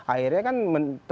akhirnya kan mendebar informasi